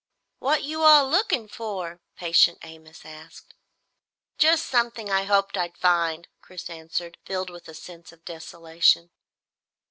"What you all looking for?" patient Amos asked. "Just something I hoped I'd find," Chris answered, filled with a sense of desolation.